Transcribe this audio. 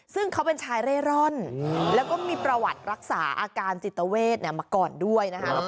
ซึ่งเขาเป็นชายเร่ร่อนแล้วก็มีประวัติรักษาอาการจิตเวทมาก่อนด้วยนะคะ